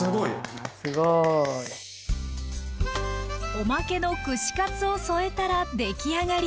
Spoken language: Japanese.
おまけの串カツを添えたらできあがり！